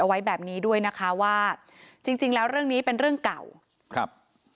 เอาไว้แบบนี้ด้วยนะคะว่าจริงจริงแล้วเรื่องนี้เป็นเรื่องเก่าครับ